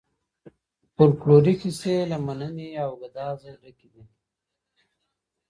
فولکلوري کیسې له مینې او ګدازه ډکي دي.